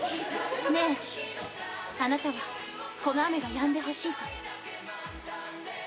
ねえあなたはこの雨がやんでほしいと思う？